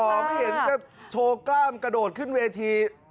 ไม่เห็นจะโชว์กล้ามกระโดดขึ้นเวที